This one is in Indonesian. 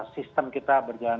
sistem kita berjalan